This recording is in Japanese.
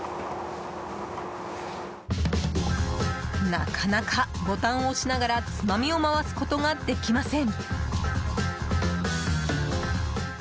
なかなか、ボタンを押しながらつまみを回すことができません。